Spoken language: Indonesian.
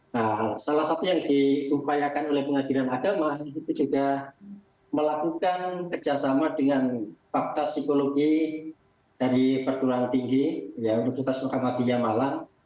nah salah satu yang diupayakan oleh pengadilan agama itu juga melakukan kerjasama dengan fakta psikologi dari perguruan tinggi universitas muhammadiyah malang